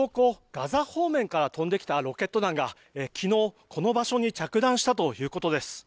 ガザ方面から飛んできたロケット弾が昨日、この場所に着弾したということです。